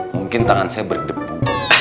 mungkin tangan saya berdebu